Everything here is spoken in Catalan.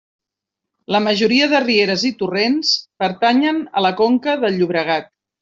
La majoria de rieres i torrents pertanyen a la conca del Llobregat.